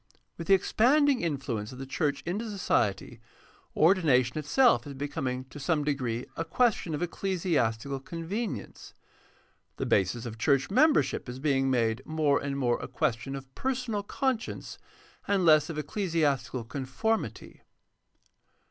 With the expanding influence of the church into society, ordination itself is becoming to some degree a question of ecclesiastical convenience. The basis of church membership is being made more and more a question of personal conscience and less of ecclesiastical conformity.